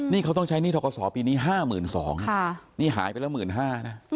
นี่เขาต้องใช้หนี้ทะกะสอปีนี้ห้าหมื่นสองนี่หายไปแล้วหมื่นห้านะ